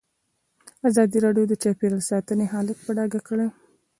ازادي راډیو د چاپیریال ساتنه حالت په ډاګه کړی.